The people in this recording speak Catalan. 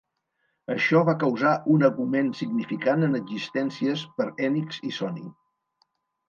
Això va causar un augment significant en existències per Enix i Sony.